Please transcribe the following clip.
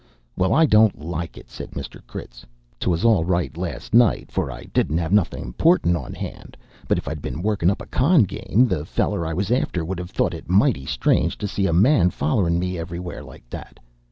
"Well, I don't like it," said Mr. Critz. "'Twas all right last night, for I didn't have nothin' important on hand, but if I'd been workin' up a con' game, the feller I was after would have thought it mighty strange to see a man follerin' me everywhere like that.